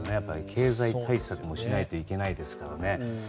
経済対策もしないといけないですからね。